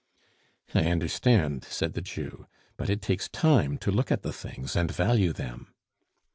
"I understand," said the Jew, "but it takes time to look at the things and value them."